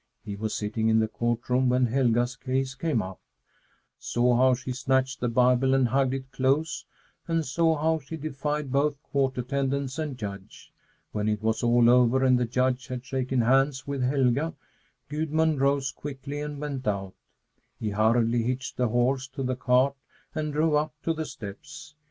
He was sitting in the court room when Helga's case came up; saw how she snatched the Bible and hugged it close, and saw how she defied both court attendants and Judge. When it was all over and the Judge had shaken hands with Helga, Gudmund rose quickly and went out. He hurriedly hitched the horse to the cart and drove up to the steps.